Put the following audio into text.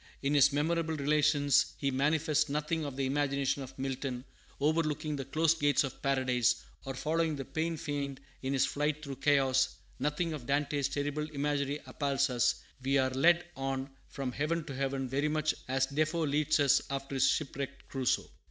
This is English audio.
In his Memorable Relations he manifests nothing of the imagination of Milton, overlooking the closed gates of paradise, or following the "pained fiend" in his flight through chaos; nothing of Dante's terrible imagery appalls us; we are led on from heaven to heaven very much as Defoe leads us after his shipwrecked Crusoe.